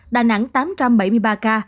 đà nẵng tám trăm bảy mươi ba ca